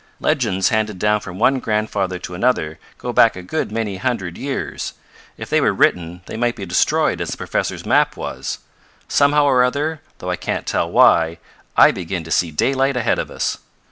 "Legends handed down from one grandfather to another go back a good many hundred years. If they were written they might be destroyed as the professor's map was. Somehow or other, though I can't tell why, I begin to see daylight ahead of us."